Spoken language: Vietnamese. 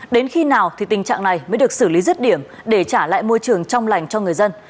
đến khi nào thì tình trạng này mới được xử lý rứt điểm để trả lại môi trường trong lành cho người dân